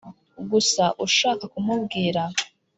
gusa ushaka kumubwira